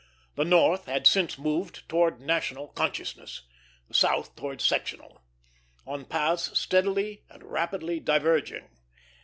The North had since moved towards national consciousness, the South towards sectional, on paths steadily and rapidly diverging.